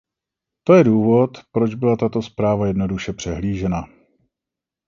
To je důvod, proč byla tato zpráva jednoduše přehlížena.